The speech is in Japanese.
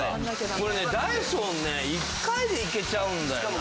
これねダイソンね１回でいけちゃうんだよな。